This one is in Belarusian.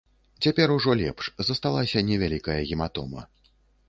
Цяпер ужо лепш, засталася невялікая гематома.